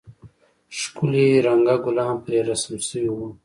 ښکلي رنگه گلان پرې رسم سوي وو.